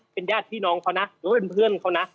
เป็นญาติพี่น้องเขานะหรือว่าเป็นเพื่อนเขานะ